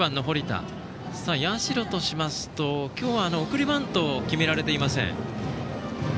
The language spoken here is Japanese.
社としますと、今日は送りバントを決められていません。